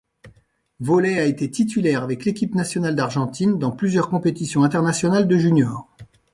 Vaulet a été titulaire avec l'équipe nationale d'Argentine dans plusieurs compétitions internationales de juniors.